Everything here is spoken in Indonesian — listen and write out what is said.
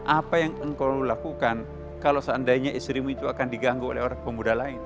apa yang engkau lakukan kalau seandainya istrimu itu akan diganggu oleh orang pemuda lain